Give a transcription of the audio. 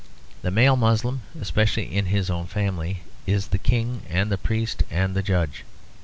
The male Moslem, especially in his own family, is the king and the priest and the judge.